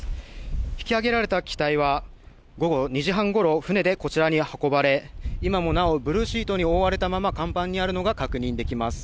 引き揚げられた機体は、午後２時半ごろ、船でこちらに運ばれ、今もなお、ブルーシートに覆われたまま、甲板にあるのが確認できます。